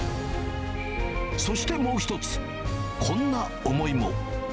そして、もう一つ、こんな思いも。